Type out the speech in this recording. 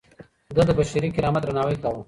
ده د بشري کرامت درناوی کاوه.